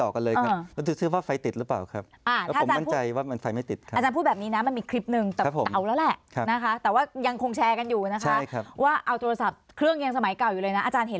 ครีปสไตล์ยังเยอะในอินเทอร์เนต